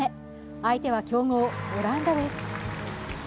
相手は強豪オランダです。